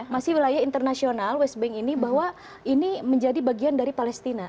masih wilayah internasional west bank ini bahwa ini menjadi bagian dari palestina